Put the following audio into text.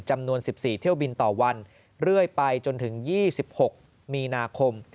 จำนวน๑๔เที่ยวบินต่อวันเรื่อยไปจนถึง๒๖มีนาคม